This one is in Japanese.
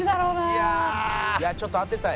いやちょっと当てたい。